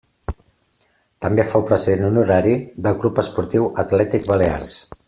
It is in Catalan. També fou president honorari del Club Esportiu Atlètic Balears.